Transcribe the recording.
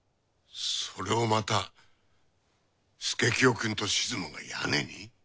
それをまた佐清くんと静馬が屋根に？